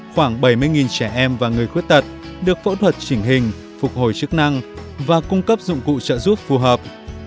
khoảng bảy mươi trẻ em và người khuyết tật được phẫu thuật chỉnh hình phục hồi chức năng và cung cấp dụng cụ trợ giúp phù hợp